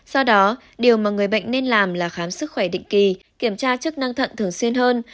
do đó điều mà người bệnh nên làm là khám sức khỏe định kỳ kiểm tra chức năng thận thường xuyên hơn